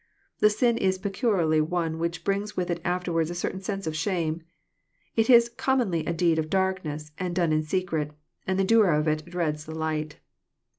The sin is peculiarly one which brings with it afterwards a certain sense of shame. It is commonly a deed of darkness and done in secret, and the doer of it dreads the light.